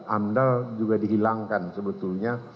amdal juga dihilangkan sebetulnya